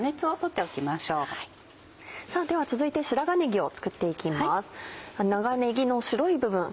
さぁでは続いて白髪ねぎを作っていきます。